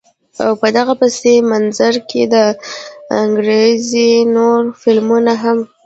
او په دغه پس منظر کښې د انګرېزي نور فلمونه هم